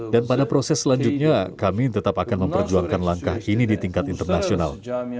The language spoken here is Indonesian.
dan pada proses selanjutnya kami tetap akan memperjuangkan langkah ini di tingkat internasional